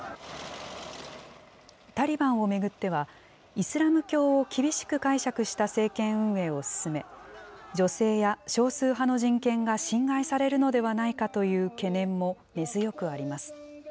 タリバンを巡っては、イスラム教を厳しく解釈した政権運営を進め、女性や少数派の人権が侵害されるのではないかという懸念も根強くあります。